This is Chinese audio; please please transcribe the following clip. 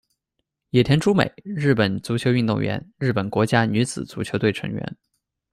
野田朱美，日本足球运动员，日本国家女子足球队成员。